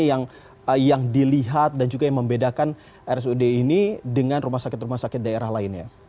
apa yang dilihat dan juga yang membedakan rsud ini dengan rumah sakit rumah sakit daerah lainnya